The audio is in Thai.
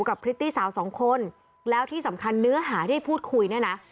พริตตี้สาวสองคนแล้วที่สำคัญเนื้อหาที่พูดคุยเนี่ยนะ